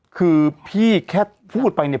คือพี่แค่พูดไปเนี่ย